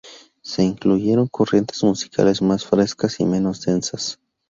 Se incluyeron corrientes musicales más frescas y menos densas.